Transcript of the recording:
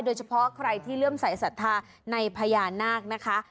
โดยเฉพาะใครที่เริ่มใส่ศรัทธาในพญานาคนะคะ